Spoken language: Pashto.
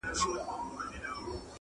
ښوونځی اکاډیمی پوهنتونونه-